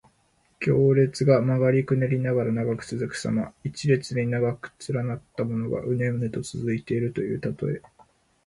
行列が曲がりくねりながら長く続くさま。一列に長く連なったものが、うねうねと続いているというたとえ。